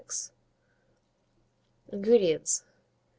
INGREDIENTS.